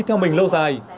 tối ngày một trăm linh